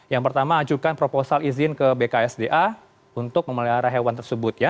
yang pertama ajukan proposal izin ke bksda untuk memelihara hewan tersebut ya